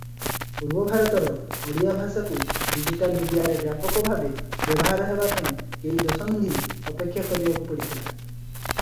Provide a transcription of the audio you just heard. ପୂର୍ବ ଭାରତର ଓଡ଼ିଆ ଭାଷାକୁ ଡିଜିଟାଲ ମିଡିଆରେ ବ୍ୟାପକ ଭାବେ ବ୍ୟବହାର ହେବା ପାଇଁ କେଇ ଦଶନ୍ଧି ଅପେକ୍ଷା କରିବାକୁ ପଡ଼ିଥିଲା ।